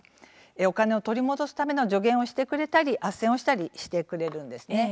お金を取り戻すための助言をしてくれたりあっせんをしてくれたりします。